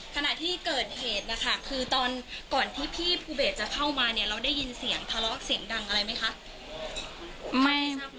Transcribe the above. ขณะที่เกิดเหตุนะคะคือตอนก่อนที่พี่ภูเบสจะเข้ามาเนี่ยเราได้ยินเสียงทะเลาะเสียงดังอะไรไหมคะ